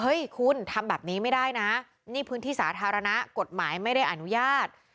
คุณทำแบบนี้ไม่ได้นะนี่พื้นที่สาธารณะกฎหมายไม่ได้อนุญาต